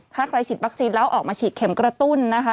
ถ้าใครฉีดวัคซีนแล้วออกมาฉีดเข็มกระตุ้นนะคะ